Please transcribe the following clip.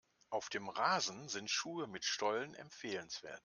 Auf dem Rasen sind Schuhe mit Stollen empfehlenswert.